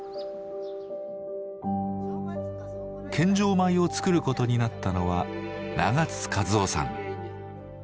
米を作ることになったのは永津和夫さん。